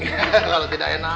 kalau tidak enak